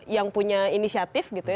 yang punya inisiatif gitu ya